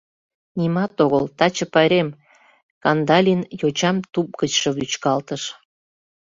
Нимат огыл, таче пайрем, — Кандалин йочам туп гычше вӱчкалтыш.